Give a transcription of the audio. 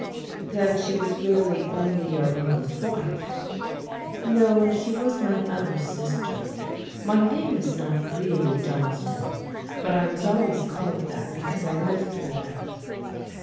"Then she was really only your Uncle's wife." "No, she was my mother's sister. My name is not really Johnstone, but I was always called that because I lived with her."